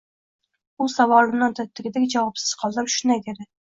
U, savolimni odatdagidek javobsiz qoldirib, shunday dedi: